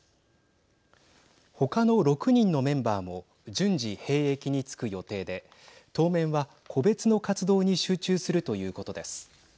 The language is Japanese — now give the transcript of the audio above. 他の６人のメンバーも順次、兵役に就く予定で当面は個別の活動に集中するということです。